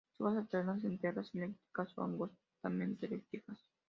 Las hojas alternas, enteras, elípticas o angostamente elípticas.